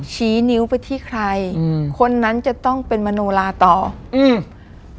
ชี้นิ้วไปที่ใครอืมคนนั้นจะต้องเป็นมโนลาต่ออืม